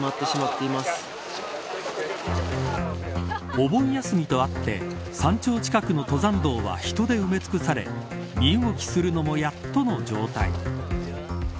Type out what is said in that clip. お盆休みとあって山頂近くの登山道は人で埋め尽くされ身動きするのもやっとの状態。